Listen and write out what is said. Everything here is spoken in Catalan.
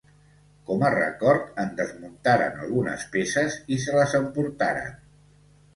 Com a record, en desmuntaren algunes peces i se les emportaren.